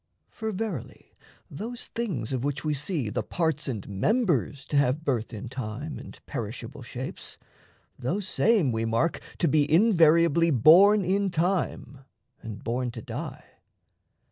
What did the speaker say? For, verily, those things of which we see The parts and members to have birth in time And perishable shapes, those same we mark To be invariably born in time And born to die.